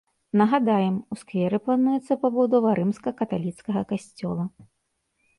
Нагадаем, у скверы плануецца пабудова рымска-каталіцкага касцёла.